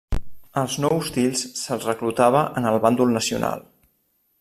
Als no hostils se'ls reclutava en el bàndol nacional.